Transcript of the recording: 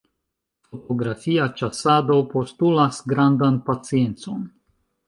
Fotografia ĉasado postulas grandan paciencon.